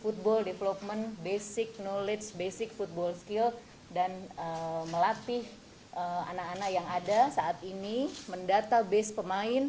football development basic knowledge basic football skill dan melatih anak anak yang ada saat ini mendata base pemain